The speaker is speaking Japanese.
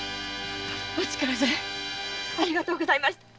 お力添えありがとうございました。